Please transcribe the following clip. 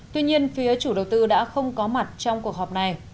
tuy nhiên phía chủ đầu tư đã không có mặt trong cuộc họp này